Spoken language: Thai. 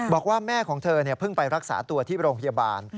บอกว่าแม่ของเธอเพิ่งไปรักษาตัวที่โรงพยาบาล